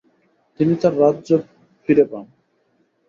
তিনি তার রাজ্য ফিরে পান।